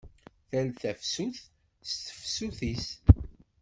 Tal tafsut s tefsut-is!